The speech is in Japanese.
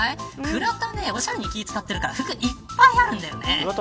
倉田ね、おしゃれに気を使ってるから服いっぱいあるんでね。